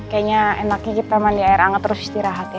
kayaknya enaknya kita mandi air anget terus istirahat ya